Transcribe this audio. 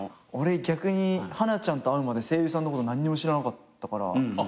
俺逆にはなちゃんと会うまで声優さんのこと何にも知らなかったから。